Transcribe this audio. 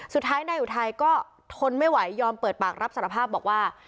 สุดท้ายนายอุทัยก็ทนไม่ไหวยอมเปิดปากรับสารภาพบอกว่า